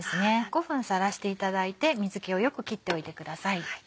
５分さらしていただいて水気をよく切っておいてください。